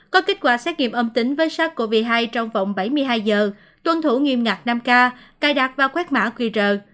có kết quả xét nghiệm âm tính với sars cov hai trong vòng bảy mươi hai giờ tuân thủ nghiêm ngạc năm k cài đặt và khoét mã quy trợ